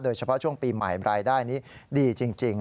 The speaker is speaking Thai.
เฉพาะช่วงปีใหม่รายได้นี้ดีจริง